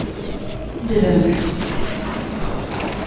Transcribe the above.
Dhem.